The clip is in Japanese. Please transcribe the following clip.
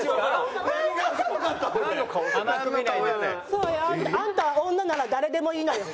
そうよ。あんたは女なら誰でもいいのよ。